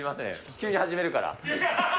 急に始めるから。